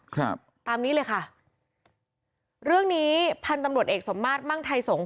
ครับตามนี้เลยค่ะเรื่องนี้พันธุ์ตำรวจเอกสมมาตรมั่งไทยสงศ์